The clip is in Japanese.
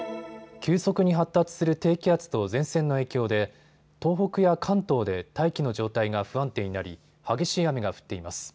急速に発達する低気圧と前線の影響で東北や関東で大気の状態が不安定になり激しい雨が降っています。